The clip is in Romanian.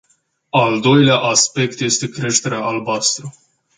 Al doilea aspect este creșterea albastră.